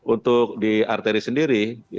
untuk di arteri sendiri